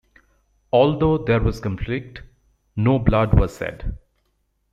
Although there was conflict, no blood was shed.